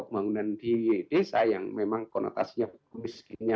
pembangunan di desa yang memang konotasinya miskinnya